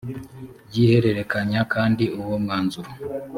ry ihererekanya kandi uwo mwanzuro